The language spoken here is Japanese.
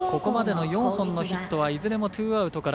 ここまでの４本のヒットはいずれもツーアウトから。